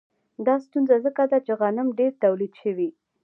دا ستونزه ځکه ده چې غنم ډېر تولید شوي